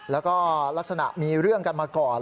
แล้วก็ลักษณะมีเรื่องกันมาก่อน